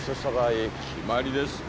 決まりですって。